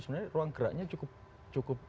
sebenarnya ruang geraknya cukup